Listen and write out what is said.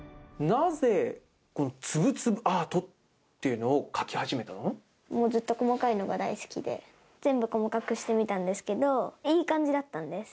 なぜ、このつぶつぶアートっずっと細かいのが大好きで、全部細かくしてみたんですけど、いい感じだったんです。